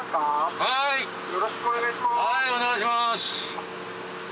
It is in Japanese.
はい、お願いします。